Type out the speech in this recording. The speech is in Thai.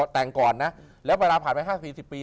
แต่งก่อนนะแล้วเวลาผ่านไป๕๔๐ปี